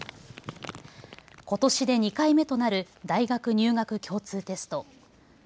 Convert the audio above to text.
ことしで２回目となる大学入学共通テスト。